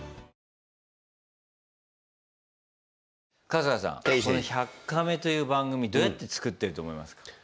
この「１００カメ」という番組どうやって作ってると思いますか？